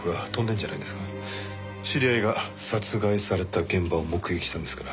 知り合いが殺害された現場を目撃したんですから。